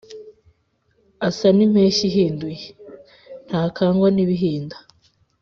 Asa n'impeshyi ihinduye. Ntakangwa n'ibihinda